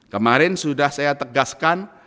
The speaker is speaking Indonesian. kemarin sudah saya tegaskan